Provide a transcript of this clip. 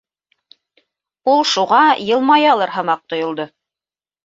Ул шуға йылмаялыр һымаҡ тойолдо.